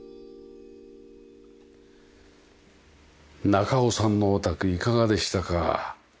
中尾さんのお宅いかがでしたか？